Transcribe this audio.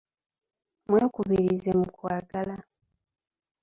Mwekubirize mu kwagala.